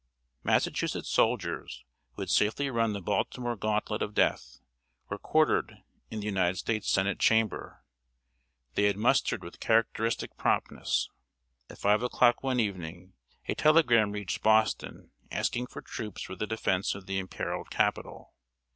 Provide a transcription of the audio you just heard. Massachusetts soldiers, who had safely run the Baltimore gantlet of death, were quartered in the United States Senate Chamber. They had mustered with characteristic promptness. At 5 o'clock one evening, a telegram reached Boston asking for troops for the defense of the imperiled Capital.